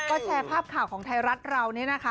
ก็แชร์ภาพข่าวของไทยรัฐเราเนี่ยนะคะ